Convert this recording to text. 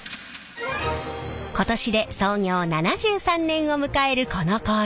今年で創業７３年を迎えるこの工場。